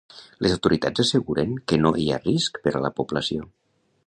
Les autoritats asseguren que no hi ha risc per a la població.